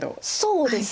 そうですね。